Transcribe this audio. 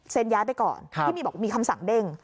ย้ายไปก่อนที่มีบอกมีคำสั่งเด้ง